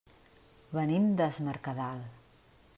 Venim des Mercadal.